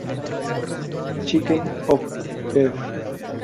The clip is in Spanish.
Chicken or beef?